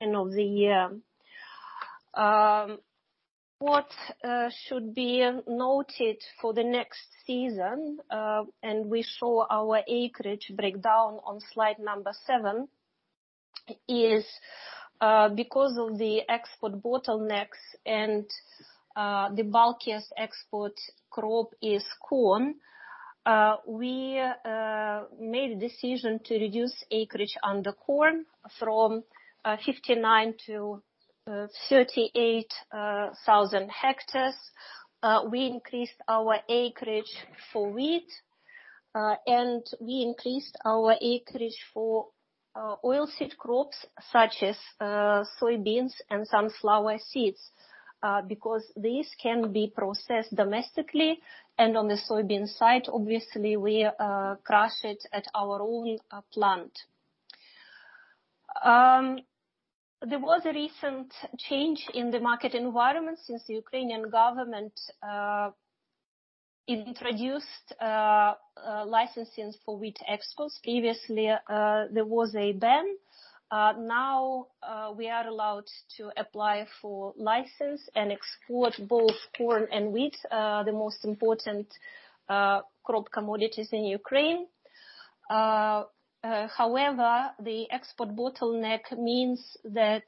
End of the year. What should be noted for the next season and we show our acreage breakdown on slide number seven, is because of the export bottlenecks and the bulkiest export crop is corn, we made a decision to reduce acreage on the corn from 59 to 38 thousand hectares. We increased our acreage for wheat and we increased our acreage for oilseed crops such as soybeans and sunflower seeds because these can be processed domestically. On the soybean side, obviously, we crush it at our own plant. There was a recent change in the market environment since the Ukrainian government introduced licensing for wheat exports. Previously, there was a ban. Now, we are allowed to apply for license and export both corn and wheat, the most important crop commodities in Ukraine. However, the export bottleneck means that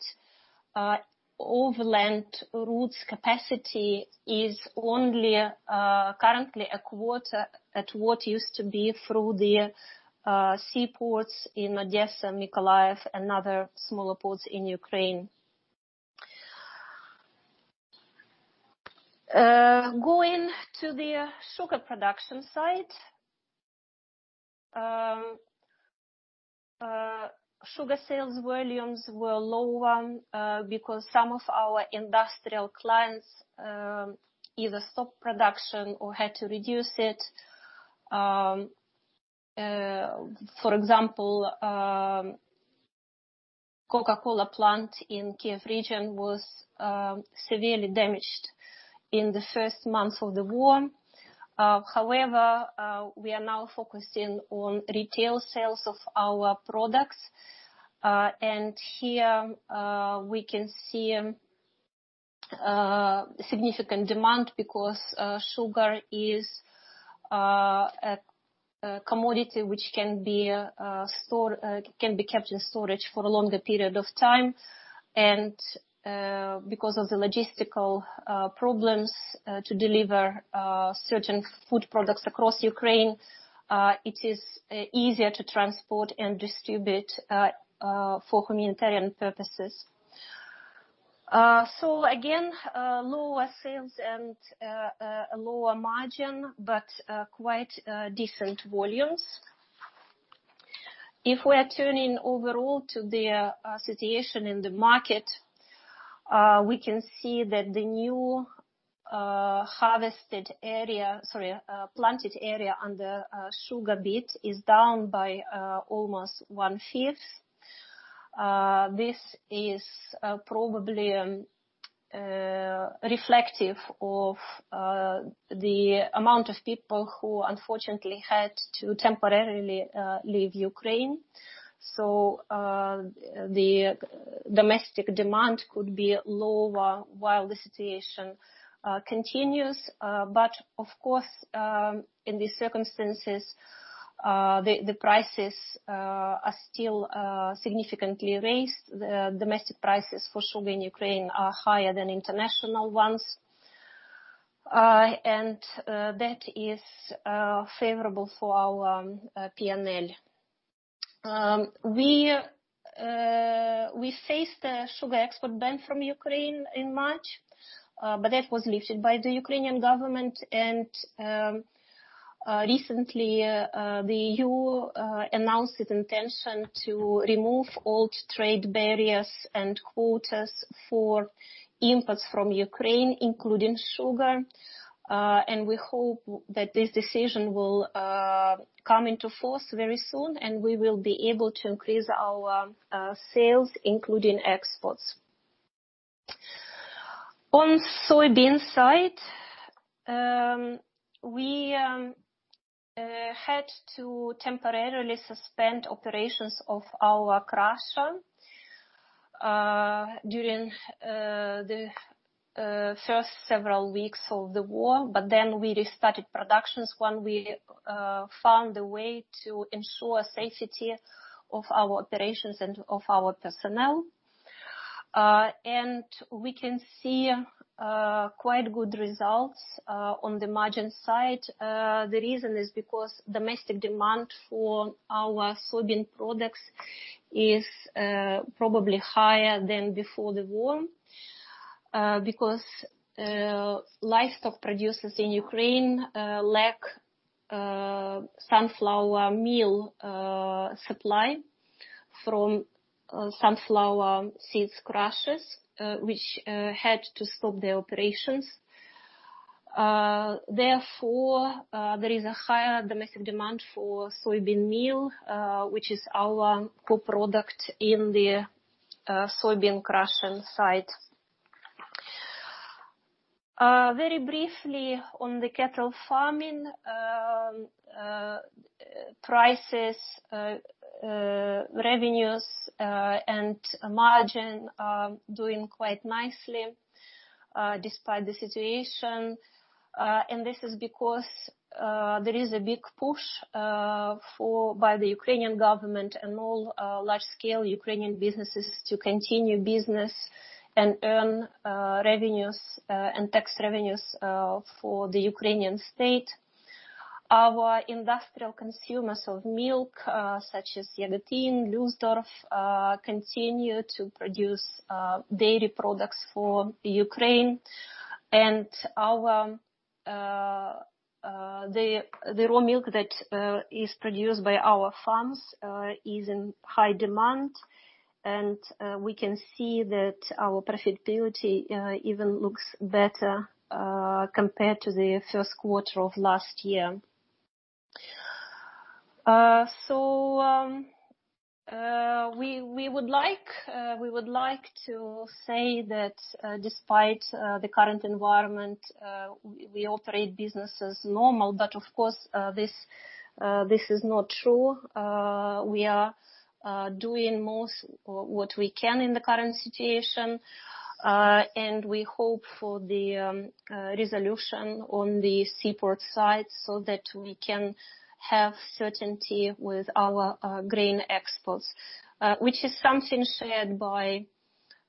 overland routes capacity is only currently a quarter of what used to be through the seaports in Odesa, Mykolaiv and other smaller ports in Ukraine. Going to the sugar production side. Sugar sales volumes were lower because some of our industrial clients either stopped production or had to reduce it. For example, Coca-Cola plant in Kyiv region was severely damaged in the first month of the war. However, we are now focusing on retail sales of our products. Here, we can see significant demand because sugar is a commodity which can be kept in storage for a longer period of time. Because of the logistical problems to deliver certain food products across Ukraine, it is easier to transport and distribute for humanitarian purposes. Again, lower sales and a lower margin, but quite decent volumes. If we are turning overall to the situation in the market, we can see that the new planted area under sugar beet is down by almost one-fifth. This is probably reflective of the amount of people who unfortunately had to temporarily leave Ukraine. The domestic demand could be lower while the situation continues. Of course, in these circumstances, the prices are still significantly raised. The domestic prices for sugar in Ukraine are higher than international ones, and that is favorable for our PNL. We faced a sugar export ban from Ukraine in March, but that was lifted by the Ukrainian government. Recently, the EU announced its intention to remove all trade barriers and quotas for imports from Ukraine, including sugar. We hope that this decision will come into force very soon, and we will be able to increase our sales, including exports. On soybean side, we had to temporarily suspend operations of our crusher during the first several weeks of the war. Then we restarted productions when we found a way to ensure safety of our operations and of our personnel. We can see quite good results on the margin side. The reason is because domestic demand for our soybean products is probably higher than before the war because livestock producers in Ukraine lack sunflower meal supply from sunflower seeds crushers which had to stop their operations. Therefore, there is a higher domestic demand for soybean meal, which is our co-product in the soybean crushing side. Very briefly on the cattle farming, prices, revenues, and margin are doing quite nicely, despite the situation. This is because there is a big push by the Ukrainian government and all large scale Ukrainian businesses to continue business and earn revenues and tax revenues for the Ukrainian state. Our industrial consumers of milk, such as Yagotynske, Lustdorf, continue to produce dairy products for Ukraine. Our raw milk that is produced by our farms is in high demand. We can see that our profitability even looks better compared to the first quarter of last year. We would like to say that, despite the current environment, we operate business as normal. Of course, this is not true. We are doing most what we can in the current situation, and we hope for the resolution on the seaport side so that we can have certainty with our grain exports. Which is something shared by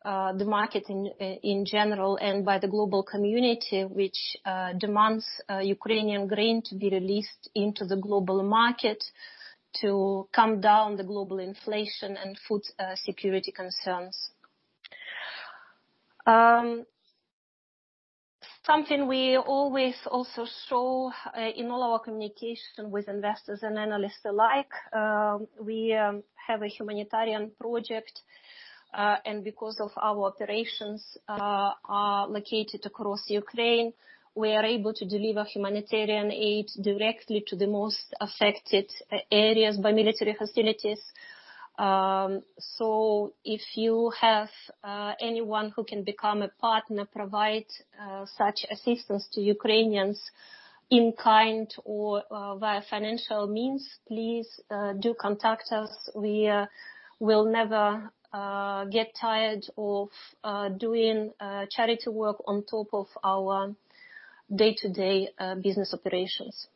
the market in general and by the global community which demands Ukrainian grain to be released into the global market to calm down the global inflation and food security concerns. Something we always also show in all our communication with investors and analysts alike, we have a humanitarian project. Because of our operations are located across Ukraine, we are able to deliver humanitarian aid directly to the most affected areas by military hostilities. If you have anyone who can become a partner, provide such assistance to Ukrainians in kind or via financial means, please do contact us. We will never get tired of doing charity work on top of our day-to-day business operations.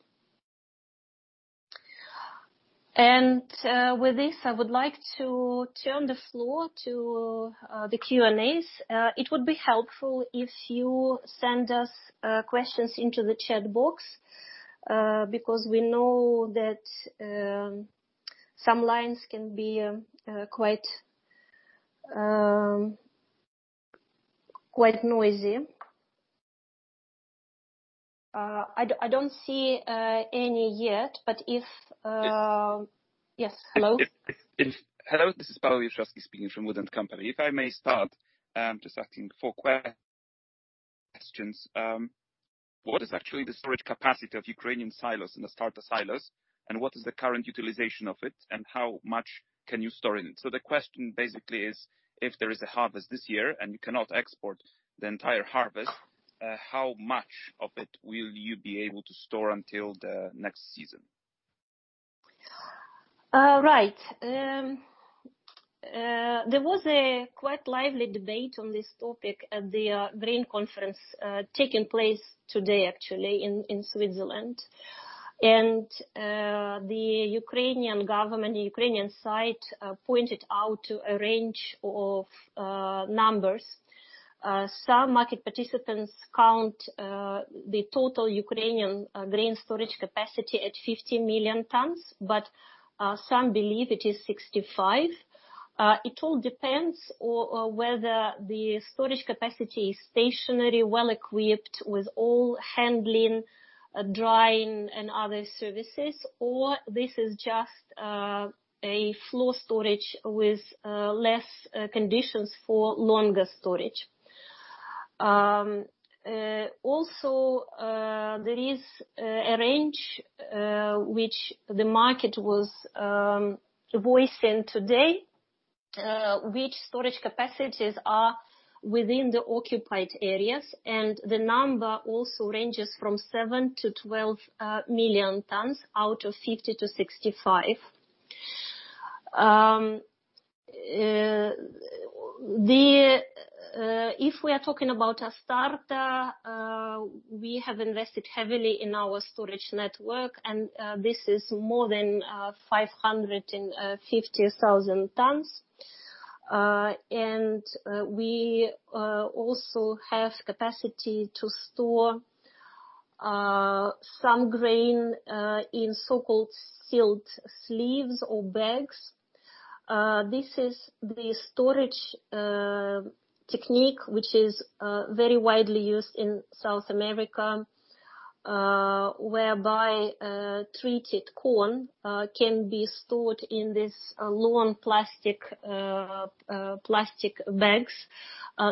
With this, I would like to turn the floor to the Q&As. It would be helpful if you send us questions into the chat box because we know that some lines can be quite noisy. I don't see any yet, but if Yes. Yes. Hello. Hello, this is Paul. Right. There was a quite lively debate on this topic at the grain conference taking place today actually in Switzerland. The Ukrainian government, the Ukrainian side, pointed out a range of numbers. Some market participants count the total Ukrainian grain storage capacity at 50 million tons, but some believe it is 65. It all depends or whether the storage capacity is stationary, well-equipped with all handling, drying and other services, or this is just a floor storage with less conditions for longer storage. Also, there is a range which the market was voicing today, which storage capacities are within the occupied areas, and the number also ranges from 7-12 million tons out of 50-65. If we are talking about Astarta, we have invested heavily in our storage network, and this is more than 550,000 tons. We also have capacity to store some grain in so-called sealed sleeves or bags. This is the storage technique which is very widely used in South America, whereby treated corn can be stored in this long plastic bags,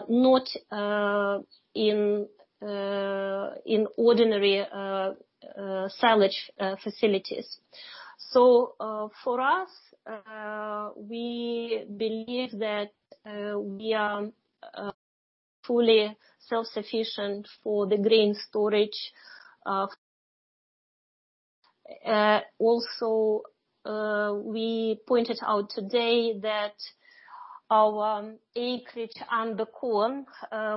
not in ordinary silage facilities. For us, we believe that we are fully self-sufficient for the grain storage. We pointed out today that our acreage under corn,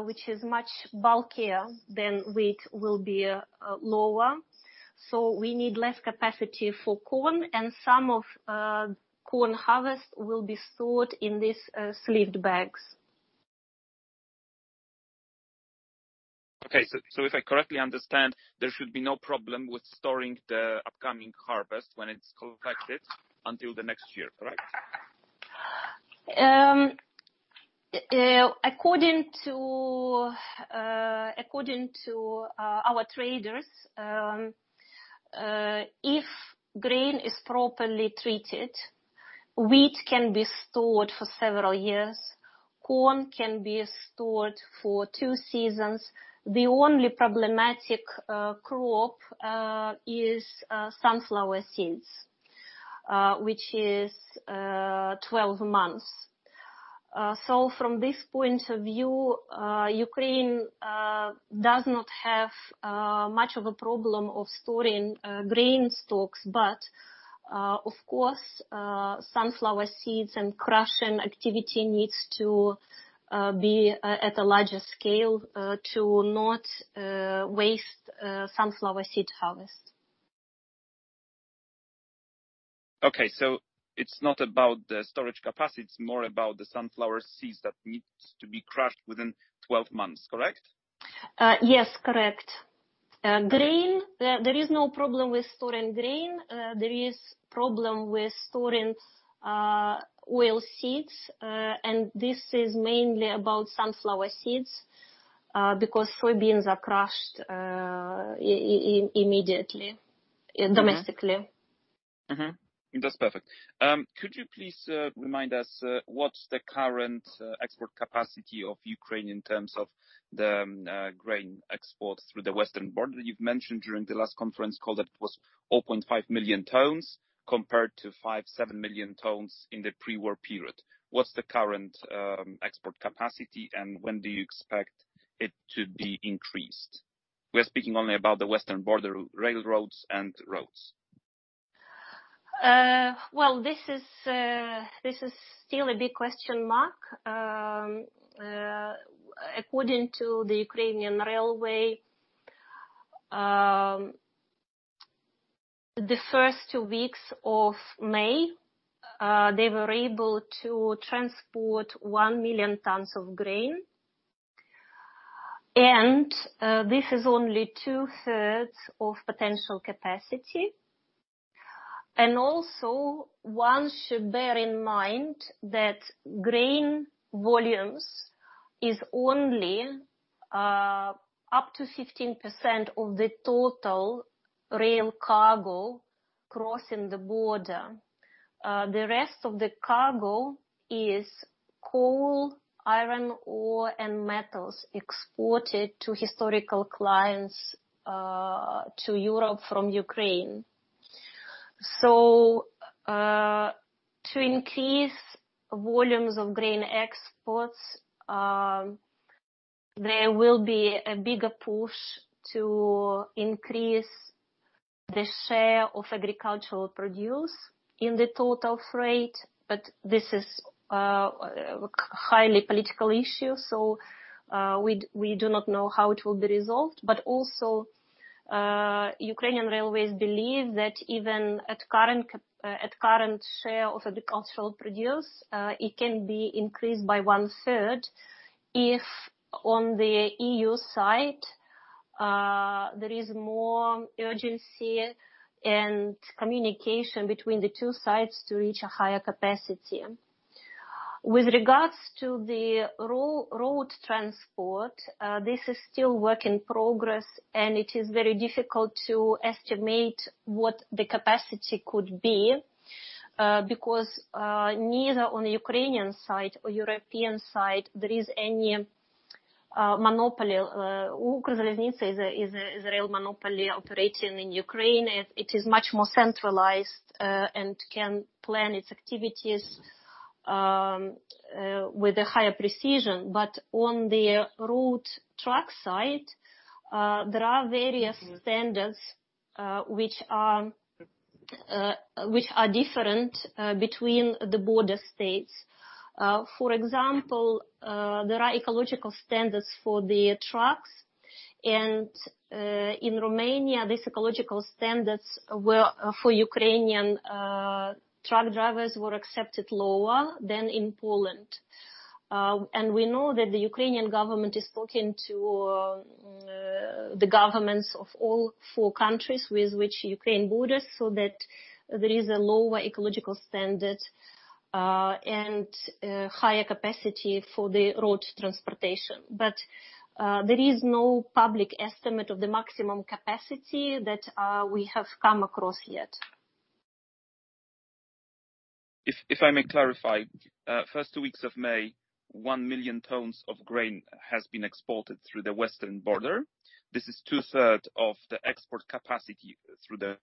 which is much bulkier than wheat, will be lower. We need less capacity for corn, and some of corn harvest will be stored in these sleeved bags. If I correctly understand, there should be no problem with storing the upcoming harvest when it's collected until the next year, correct? According to our traders, if grain is properly treated, wheat can be stored for several years. Corn can be stored for two seasons. The only problematic crop is sunflower seeds, which is 12 months. From this point of view, Ukraine does not have much of a problem of storing grain stocks. Of course, sunflower seeds and crushing activity needs to be at a larger scale to not waste sunflower seed harvest. Okay, it's not about the storage capacity, it's more about the sunflower seeds that needs to be crushed within 12 months, correct? Yes, correct. Grain, there is no problem with storing grain. There is problem with storing oil seeds. This is mainly about sunflower seeds, because soybeans are crushed immediately, domestically. Mm-hmm. Mm-hmm. That's perfect. Could you please remind us what's the current export capacity of Ukraine in terms of the grain export through the western border? You've mentioned during the last conference call that it was 0.5 million tons compared to 5.7 million tons in the pre-war period. What's the current export capacity, and when do you expect it to be increased? We're speaking only about the western border railroads and roads. This is still a big question mark. According to the Ukrainian Railways, the first two weeks of May, they were able to transport one million tons of grain, and this is only two-thirds of potential capacity. One should bear in mind that grain volumes is only up to 15% of the total rail cargo crossing the border. The rest of the cargo is coal, iron ore, and metals exported to historical clients, to Europe from Ukraine. To increase volumes of grain exports, there will be a bigger push to increase the share of agricultural produce in the total freight, but this is a highly political issue, so we do not know how it will be resolved. Also, Ukrainian railways believe that even at current share of agricultural produce, it can be increased by one-third if on the EU side, there is more urgency and communication between the two sides to reach a higher capacity. With regards to the road transport, this is still work in progress, and it is very difficult to estimate what the capacity could be, because neither on the Ukrainian side or European side, there is any monopoly. Ukrzaliznytsia is a rail monopoly operating in Ukraine. It is much more centralized, and can plan its activities with a higher precision. On the road truck side, there are various standards which are different between the border states. For example, there are ecological standards for the trucks and, in Romania, these ecological standards were for Ukrainian truck drivers were accepted lower than in Poland. We know that the Ukrainian government is talking to the governments of all four countries with which Ukraine borders, so that there is a lower ecological standard and higher capacity for the road transportation. There is no public estimate of the maximum capacity that we have come across yet. If I may clarify, first two weeks of May, one million tons of grain has been exported through the western border. This is two-thirds of the export capacity through the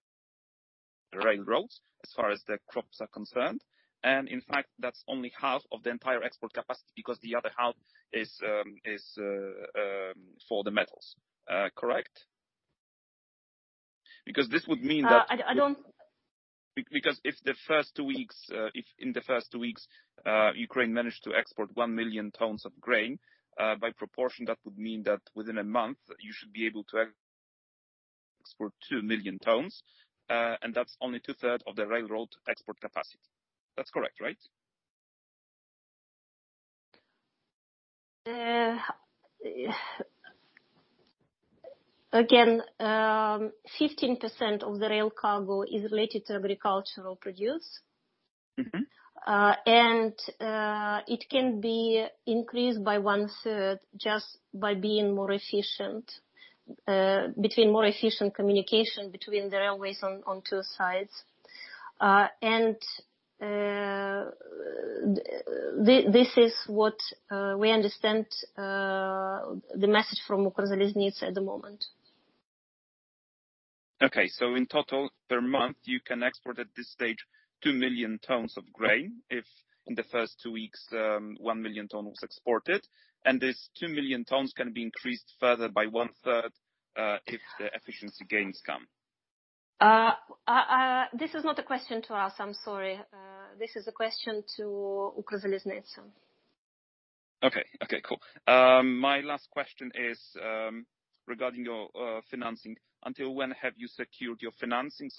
railroads as far as the crops are concerned. In fact, that's only half of the entire export capacity because the other half is for the metals. Correct? Because this would mean that- I don't. Because if in the first two weeks, Ukraine managed to export one million tons of grain, by proportion, that would mean that within a month, you should be able to export two million tons, and that's only two-thirds of the railroad export capacity. That's correct, right? Again, 15% of the rail cargo is related to agricultural produce. Mm-hmm. It can be increased by one-third just by being more efficient between more efficient communication between the railways on two sides. This is what we understand the message from Ukrzaliznytsia at the moment. Okay. In total, per month, you can export at this stage two million tons of grain, if in the first two weeks, one million ton was exported. This two million tons can be increased further by one-third, if the efficiency gains come. This is not a question to us. I'm sorry. This is a question to Ukrzaliznytsia. Okay. Okay, cool. My last question is regarding your financing. Until when have you secured your financing?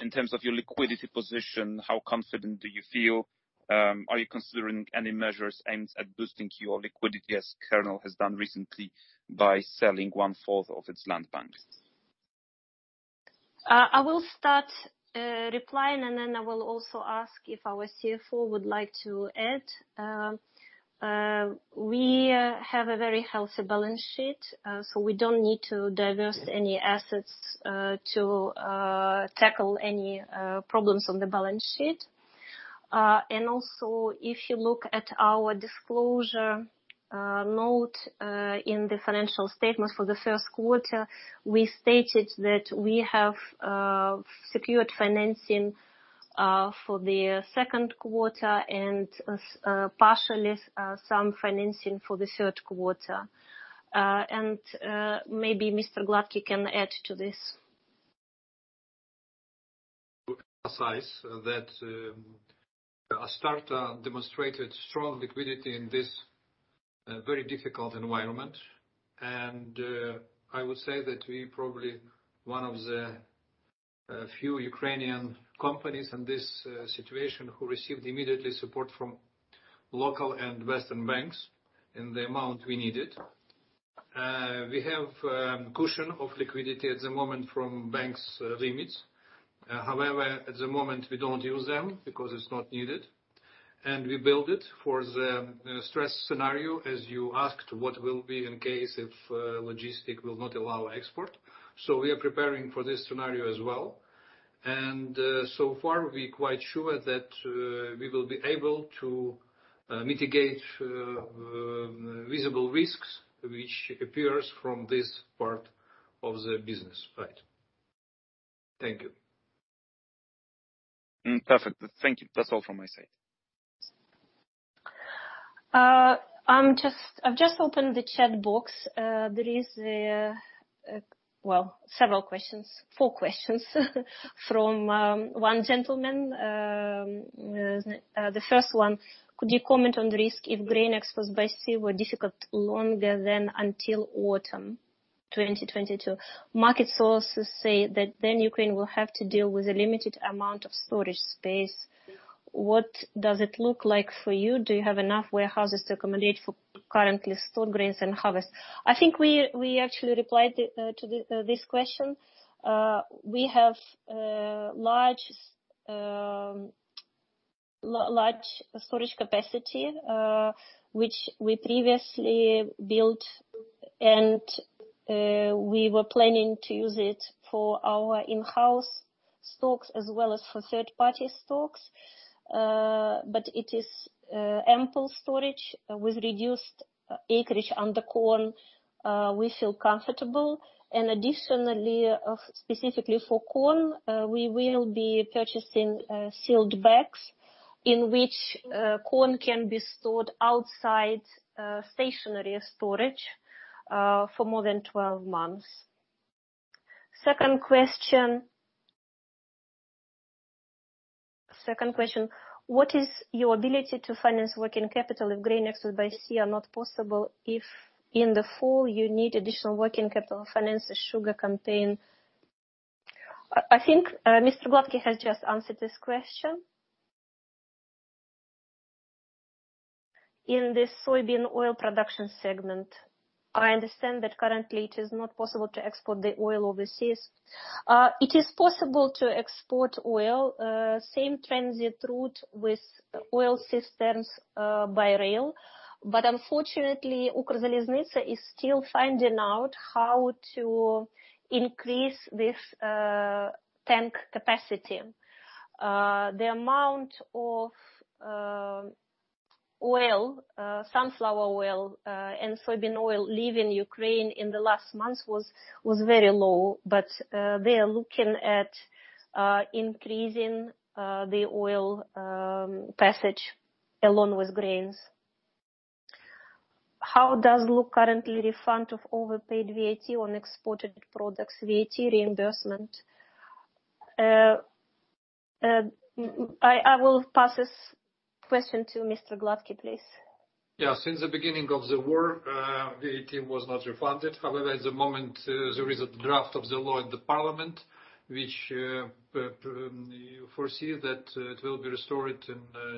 In terms of your liquidity position, how confident do you feel? Are you considering any measures aimed at boosting your liquidity as Kernel has done recently by selling one-fourth of its land bank? I will start replying, and then I will also ask if our CFO would like to add. We have a very healthy balance sheet, so we don't need to divest any assets to tackle any problems on the balance sheet. Also, if you look at our disclosure note in the financial statement for the first quarter, we stated that we have secured financing for the second quarter and partially some financing for the third quarter. Maybe Mr. Hlotko can add to this. Astarta demonstrated strong liquidity in this very difficult environment. I would say that we probably one of the few Ukrainian companies in this situation who received immediately support from local and western banks in the amount we needed. We have cushion of liquidity at the moment from banks' limits. However, at the moment, we don't use them because it's not needed. We build it for the stress scenario, as you asked, what will be in case if logistics will not allow export. We are preparing for this scenario as well. So far, we're quite sure that we will be able to mitigate visible risks which appears from this part of the business. Right. Thank you. Perfect. Thank you. That's all from my side. I've just opened the chat box. There is, well, several questions, four questions from one gentleman. The first one, could you comment on the risk if grain exports by sea were difficult longer than until autumn 2022? Market sources say that then Ukraine will have to deal with a limited amount of storage space. What does it look like for you? Do you have enough warehouses to accommodate for currently stored grains and harvest? I think we actually replied to this question. We have large storage capacity, which we previously built, and we were planning to use it for our in-house stocks as well as for third-party stocks. But it is ample storage. With reduced acreage under corn, we feel comfortable. Additionally, specifically for corn, we will be purchasing sealed bags in which corn can be stored outside stationary storage for more than 12 months. Second question, what is your ability to finance working capital if grain exports by sea are not possible if in the fall you need additional working capital to finance the sugar campaign? I think Mr. Gladky has just answered this question. In the soybean oil production segment, I understand that currently it is not possible to export the oil overseas. It is possible to export oil same transit route with rail systems by rail. Unfortunately, Ukrzaliznytsia is still finding out how to increase this tank capacity. The amount of oil, sunflower oil, and soybean oil leaving Ukraine in the last month was very low, but they are looking at increasing the oil passage along with grains. How does the refund of overpaid VAT on exported products look currently? VAT reimbursement? I will pass this question to Mr. Glotky, please. Yeah. Since the beginning of the war, VAT was not refunded. However, at the moment, there is a draft of the law in the parliament, which foresee that it will be restored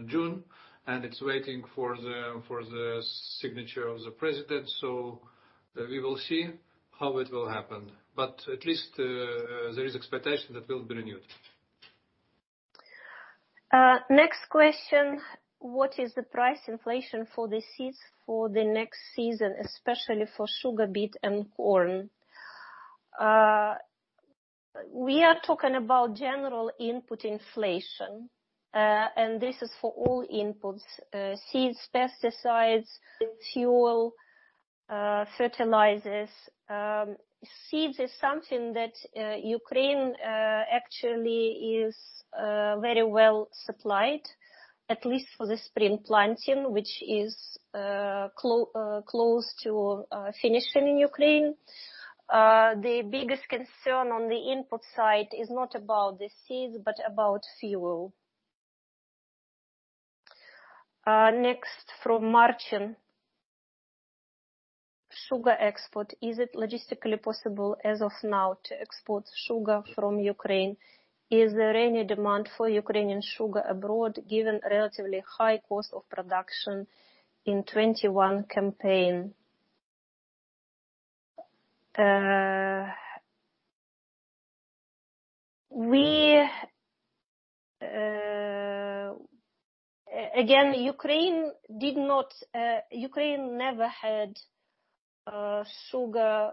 in June, and it's waiting for the signature of the president. We will see how it will happen. At least, there is expectation that it will be renewed. Next question: What is the price inflation for the seeds for the next season, especially for sugar beet and corn? We are talking about general input inflation, and this is for all inputs, seeds, pesticides, fuel, fertilizers. Seeds is something that, Ukraine, actually is very well supplied, at least for the spring planting, which is close to finishing in Ukraine. The biggest concern on the input side is not about the seeds but about fuel. Next from Martin: Sugar export, is it logistically possible as of now to export sugar from Ukraine? Is there any demand for Ukrainian sugar abroad, given relatively high cost of production in 2021 campaign? Again, Ukraine never had sugar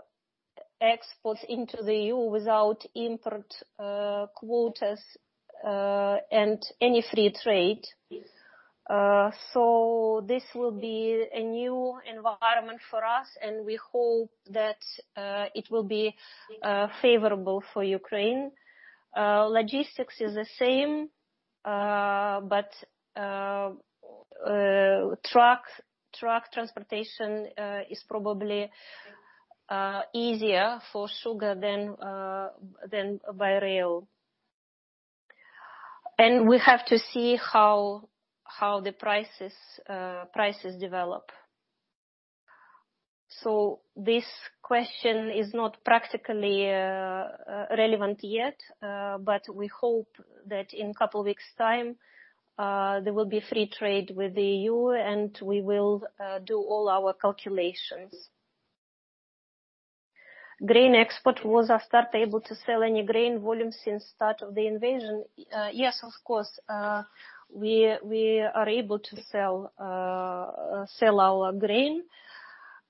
exports into the EU without import quotas, and any free trade. This will be a new environment for us, and we hope that it will be favorable for Ukraine. Logistics is the same, but truck transportation is probably easier for sugar than by rail. We have to see how the prices develop. This question is not practically relevant yet, but we hope that in couple weeks' time there will be free trade with the EU, and we will do all our calculations. Grain export, was Astarta able to sell any grain volume since start of the invasion? Yes, of course. We are able to sell our grain.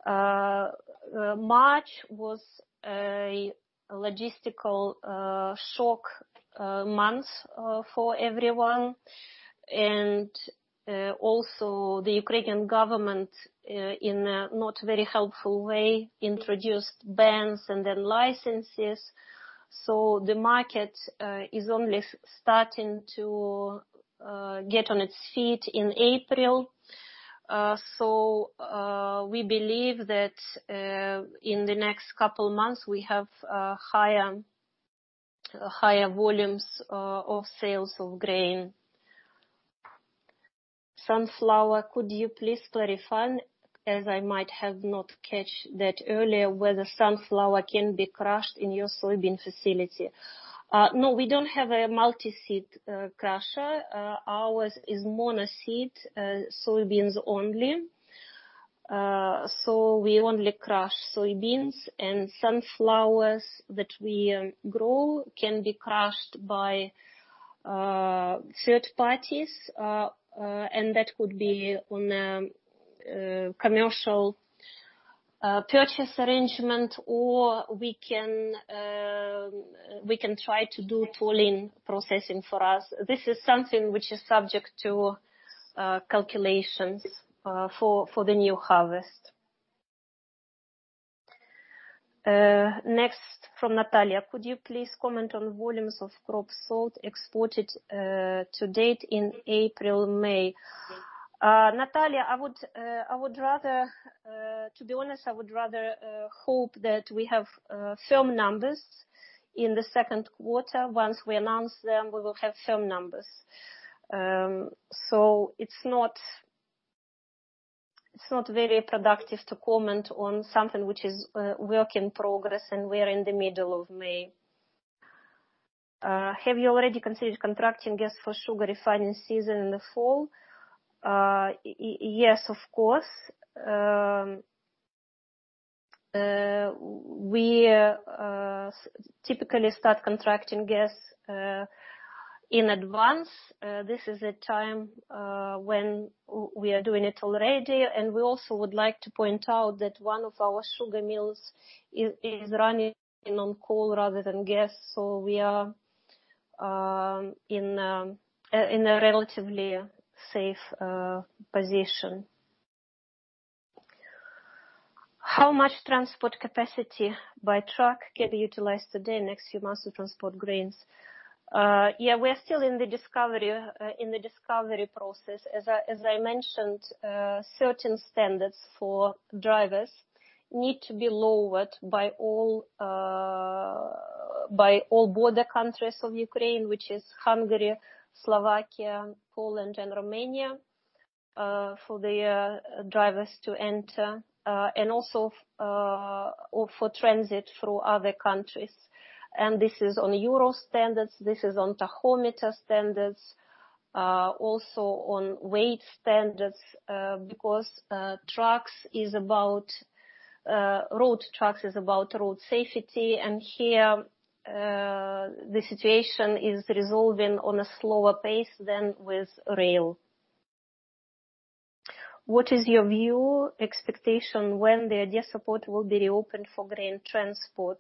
March was a logistical shock month for everyone. Also the Ukrainian government in a not very helpful way introduced bans and then licenses, so the market is only starting to get on its feet in April. We believe that in the next couple months we have higher volumes of sales of grain. Sunflower, could you please clarify, as I might have not catch that earlier, whether sunflower can be crushed in your soybean facility? No, we don't have a multi-seed crusher. Ours is mono-seed, soybeans only. We only crush soybeans and sunflowers that we grow can be crushed by third parties. That would be on commercial purchase arrangement or we can try to do tolling processing for us. This is something which is subject to calculations for the new harvest. Next from Natalia: Could you please comment on volumes of crop sold exported to date in April/May? Natalia, to be honest, I would rather hope that we have firm numbers in the second quarter. Once we announce them, we will have firm numbers. It's not very productive to comment on something which is work in progress, and we're in the middle of May. Have you already considered contracting gas for sugar refining season in the fall? Yes, of course. We typically start contracting gas in advance. This is a time when we are doing it already. We also would like to point out that one of our sugar mills is running on coal rather than gas. We are in a relatively safe position. How much transport capacity by truck can be utilized today, next few months to transport grains? We are still in the discovery process. As I mentioned, certain standards for drivers need to be lowered by all border countries of Ukraine, which is Hungary, Slovakia, Poland, and Romania, for their drivers to enter. Or for transit through other countries. This is on Euro standards, this is on tachograph standards, also on weight standards, because trucks are about road safety. Here, the situation is resolving on a slower pace than with rail. What is your view expectation when the Odesa port will be reopened for grain transport?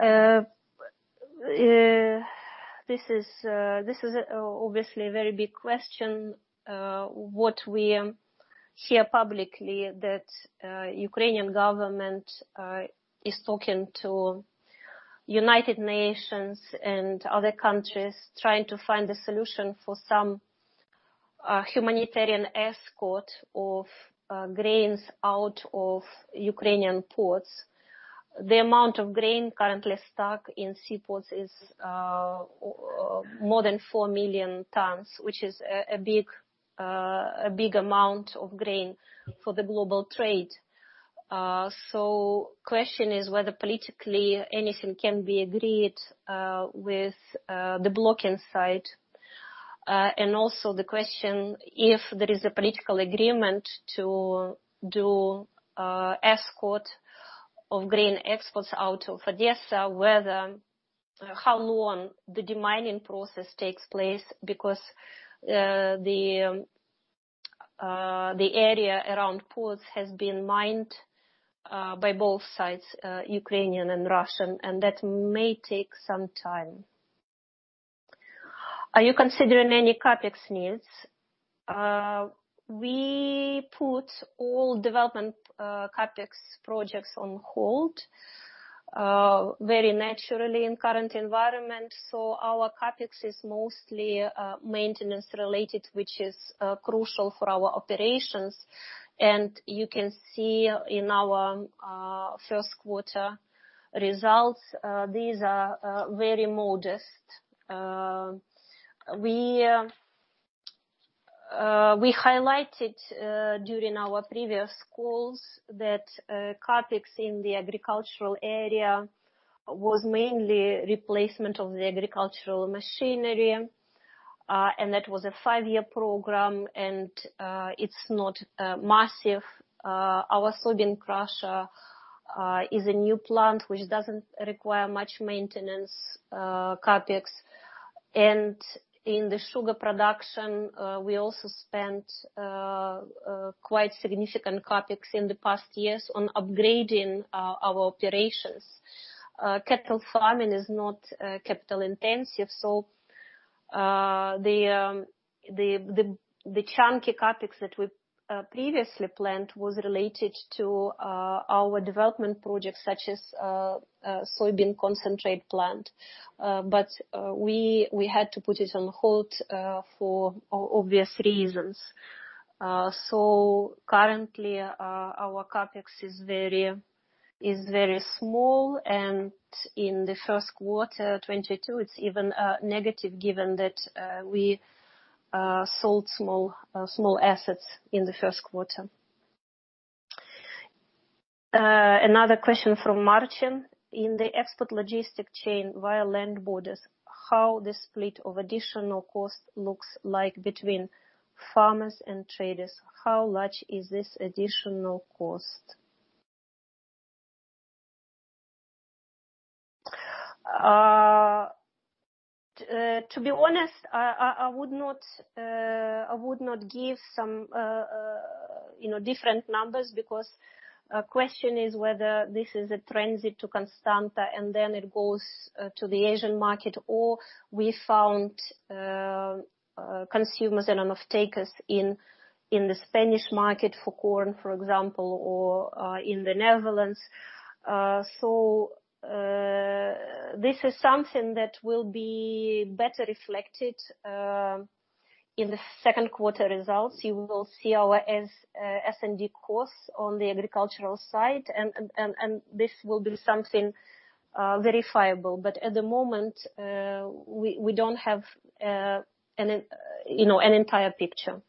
This is obviously a very big question. What we hear publicly that Ukrainian government is talking to United Nations and other countries trying to find a solution for some humanitarian escort of grains out of Ukrainian ports. The amount of grain currently stuck in seaports is more than four million tons, which is a big amount of grain for the global trade. Question is whether politically anything can be agreed with the blocking side. also the question, if there is a political agreement to do escort of grain exports out of Odesa, whether how long the demining process takes place because the area around ports has been mined by both sides, Ukrainian and Russian, and that may take some time. Are you considering any CapEx needs? We put all development CapEx projects on hold very naturally in current environment. Our CapEx is mostly maintenance related, which is crucial for our operations. You can see in our first quarter results these are very modest. We highlighted during our previous calls that CapEx in the agricultural area was mainly replacement of the agricultural machinery. That was a five-year program, and it's not massive. Our soybean crusher is a new plant which doesn't require much maintenance, CapEx. In the sugar production, we also spent quite significant CapEx in the past years on upgrading our operations. Cattle farming is not capital intensive, so the chunky CapEx that we previously planned was related to our development projects such as soybean concentrate plant. We had to put it on hold for obvious reasons. Currently, our CapEx is very small, and in the first quarter 2022, it's even negative given that we sold small assets in the first quarter. Another question from Martin. In the export logistics chain via land borders, how the split of additional cost looks like between farmers and traders? How large is this additional cost? To be honest, I would not give some, you know, different numbers because question is whether this is a transit to Constanta, and then it goes to the Asian market, or we found consumers and off-takers in the Spanish market for corn, for example, or in the Netherlands. This is something that will be better reflected in the second quarter results. You will see our S&D costs on the agricultural side and this will be something verifiable. At the moment, we don't have, you know, an entire picture.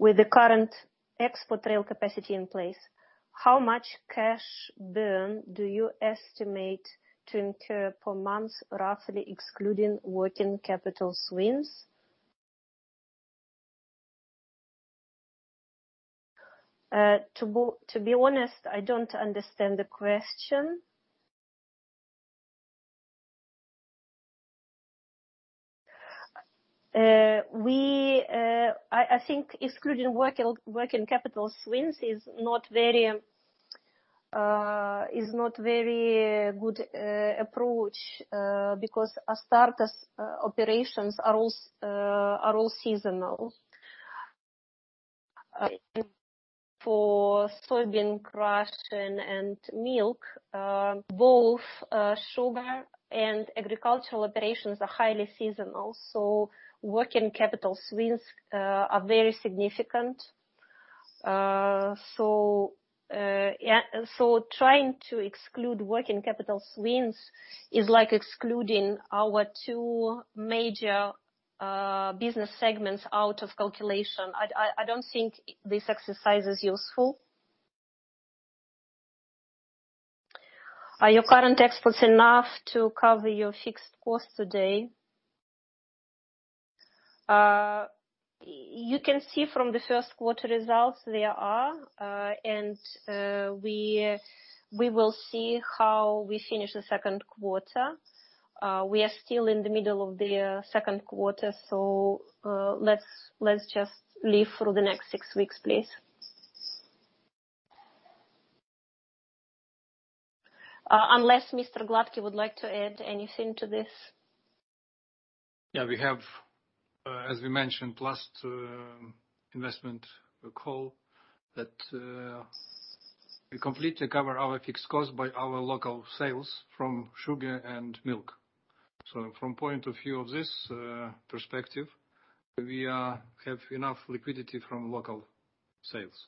With the current export rail capacity in place, how much cash burn do you estimate to incur per month, roughly excluding working capital swings? To be honest, I don't understand the question. I think excluding working capital swings is not very good approach, because Astarta's operations are all seasonal. For soybean crush and milk, both sugar and agricultural operations are highly seasonal, so working capital swings are very significant. Yeah. Trying to exclude working capital swings is like excluding our two major business segments out of calculation. I don't think this exercise is useful. Are your current exports enough to cover your fixed costs today? You can see from the first quarter results. We will see how we finish the second quarter. We are still in the middle of the second quarter. Let's just live through the next six weeks, please. Unless Mr. Hlotko would like to add anything to this. Yeah, we have, as we mentioned last investment call that we completely cover our fixed costs by our local sales from sugar and milk. From point of view of this perspective, we have enough liquidity from local sales.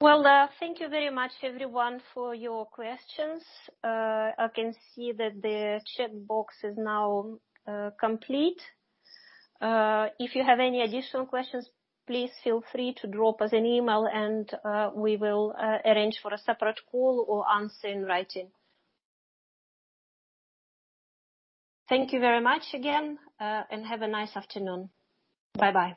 Well, thank you very much everyone for your questions. I can see that the chat box is now complete. If you have any additional questions, please feel free to drop us an email and we will arrange for a separate call or answer in writing. Thank you very much again, and have a nice afternoon. Bye-bye.